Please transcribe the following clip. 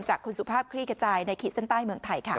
จากคุณสุภาพคลี่ขจายในขีดเส้นใต้เมืองไทยค่ะ